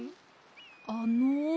あの。